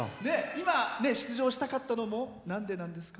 今、出場したかったのもなんでなんですか？